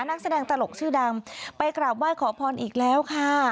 นักแสดงตลกชื่อดังไปกราบไหว้ขอพรอีกแล้วค่ะ